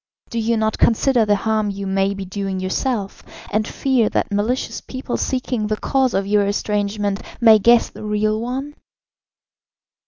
Do you not consider the harm you may be doing yourself, and fear that malicious people, seeking the cause of your estrangement, may guess the real one?"